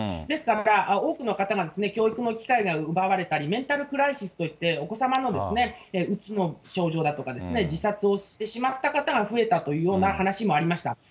ですから、多くの方が教育の機会が奪われたり、メンタルクライシスといってお子様のうつの症状だとか、自殺をしてしまった方が増えたというような話もありました。